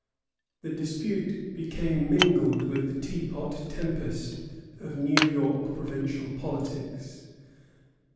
The dispute became mingled with the teapot tempest of New York provincial politics.